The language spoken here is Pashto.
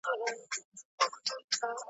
رقیب ته وګرځه اسمانه پر ما ښه لګیږي .